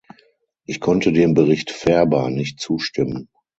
Ich konnte dem Bericht Ferber nicht zustimmen.